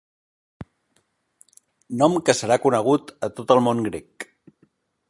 Nom que serà conegut a tot el món grec.